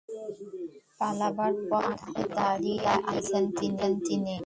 পালাবার পথ আগলে দাঁড়িয়ে আছেন তিনি।